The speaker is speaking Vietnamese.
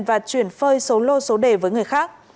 và chuyển phơi số lô số đề với người khác